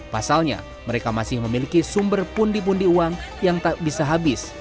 pasalnya mereka masih memiliki sumber pundi pundi uang yang tak bisa habis